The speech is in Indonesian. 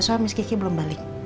soalnya miss kiki belum balik